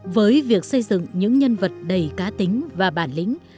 với việc xây dựng những nhân vật đầy cá tính và bản lĩnh